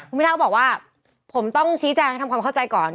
คุณพิทาก็บอกว่าผมต้องชี้แจงให้ทำความเข้าใจก่อน